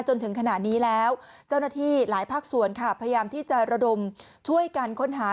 จนถึงขณะนี้แล้วเจ้าหน้าที่หลายภาคส่วนค่ะพยายามที่จะระดมช่วยกันค้นหา